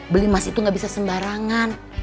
beli emas itu gak bisa sembarangan